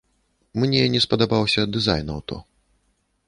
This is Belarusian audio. Мне не спадабаўся дызайн аўто.